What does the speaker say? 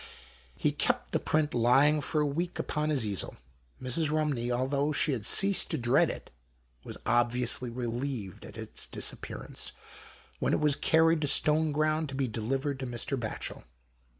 He kept the print lying for a week upon his easel. Mrs. Eumney, although she had ceased to dread it, was obviously re lieved at its disappearance, when it was carried to Stoneground to be delivered to Mr. Batchel.